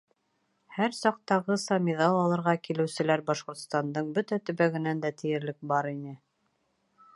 Һәр саҡтағыса, миҙал алырға килеүселәр Башҡортостандың бөтә төбәгенән дә тиерлек бар ине.